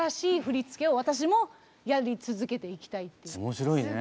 面白いね。